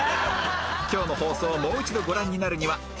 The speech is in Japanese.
今日の放送をもう一度ご覧になるには ＴＶｅｒ で